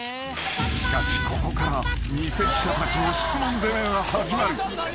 ［しかしここから偽記者たちの質問攻めが始まる］